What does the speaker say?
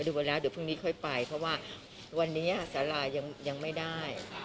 มาแล้วเดี๋ยวพรุ่งนี้ค่อยไปเพราะว่าวันนี้สารายังไม่ได้